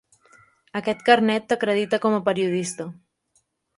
Aquest carnet t'acredita com a periodista.